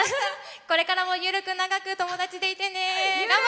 これからも緩く長く友達でいてね！